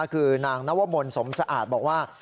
คือนางนวมลสมสะอาดบอกว่า